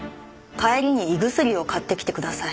帰りに胃薬を買ってきてください。